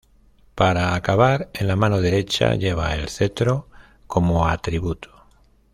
Para acabar, en la mano derecha lleva el cetro, como atributo.